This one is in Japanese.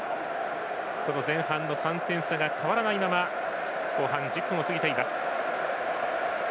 その前半の３点差が変わらないまま後半１０分を過ぎています。